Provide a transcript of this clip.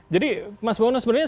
jadi mas bawono sebenarnya